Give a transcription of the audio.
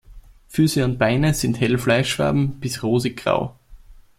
Füße und Beine sind hell fleischfarben bis rosig-grau.